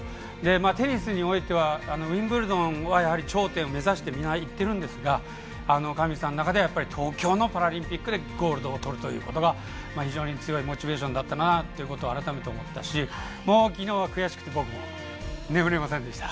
テニスにおいてはウィンブルドンは頂点を目指してみんな、いってるんですが上地さんの中では東京のパラリンピックでゴールドをとることが非常に強いモチベーションだったんだなと改めて思ったし昨日は悔しくて眠れませんでした。